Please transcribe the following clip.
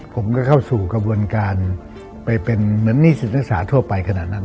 ผมก็เข้าสู่กระบวนการไปเป็นเหมือนหนิสินศึกษาทั่วไปขนาดนั้น